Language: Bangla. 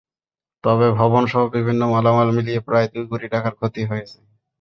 তবে ভবনসহ বিভিন্ন মালামাল মিলিয়ে প্রায় দুই কোটি টাকার ক্ষতি হয়েছে।